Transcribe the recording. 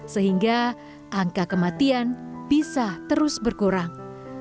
sehingga angka kematian bisa terus berkurang